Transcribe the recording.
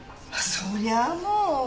そりゃあもう。